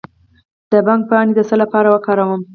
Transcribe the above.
د بنګ پاڼې د څه لپاره وکاروم؟